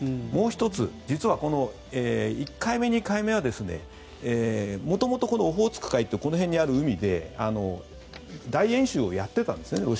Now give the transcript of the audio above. もう１つ実はこの１回目、２回目は元々、このオホーツク海というこの辺にある海で大演習をやっていたんですね。